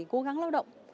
cố gắng lao động